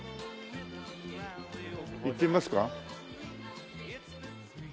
行ってみますか？